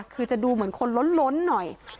คือจะดูเหมือนคนล้นหน่อย